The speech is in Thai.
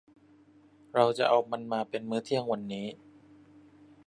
เราจะเอามันมาเป็นมื้อเที่ยงวันนี้